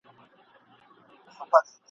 شخي- شخي به شملې وي !.